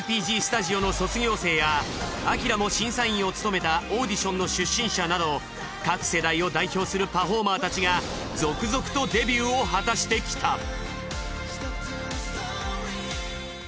ＥＸＰＧＳＴＵＤＩＯの卒業生やＡＫＩＲＡも審査員を務めたオーディションの出身者など各世代を代表するパフォーマーたちが続々とデビューを果たしてきた。